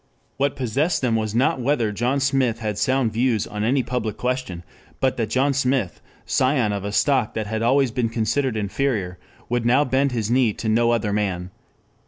What possessed them was not whether John Smith had sound views on any public question, but that John Smith, scion of a stock that had always been considered inferior, would now bend his knee to no other man.